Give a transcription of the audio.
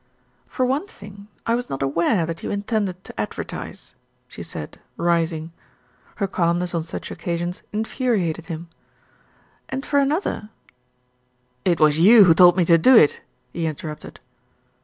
"For one thing I was not aware that you intended to advertise," she said, rising. Her calmness on such occasions infuriated him, "And for another " "It was you who told me to do it," he interrupted.